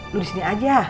lo disini aja